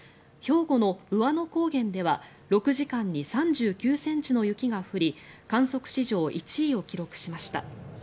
兵庫の兎和野高原では６時間に３９ｃｍの雪が降り観測史上１位を記録しました。